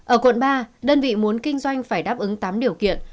ở quận ba đơn vị muốn kinh doanh phải đáp ứng tám điều kiện